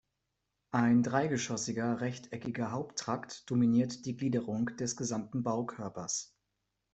Ein dreigeschossiger, rechteckiger Haupttrakt dominiert die Gliederung des gesamten Baukörpers.